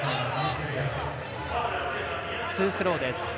ツースローです。